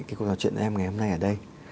cái cuộc nói chuyện với em ngày hôm nay ở đây